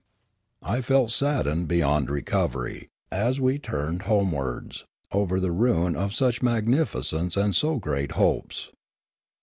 I felt saddened beyond recovery, as we turned home wards, over the ruin of such magnificence and so great hopes.